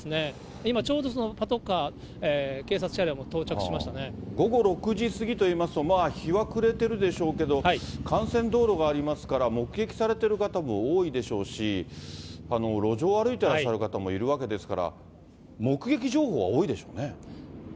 今ちょうど、そのパトカー、警察午後６時過ぎといいますと、日は暮れてるでしょうけど、幹線道路がありますから、目撃されてる方も多いでしょうし、路上を歩いていらっしゃる方もいるわけですから、目撃情報は多いでしょうね。